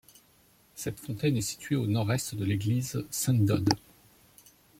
Cette fontaine est située au nord-est de l'église Sainte-Dode.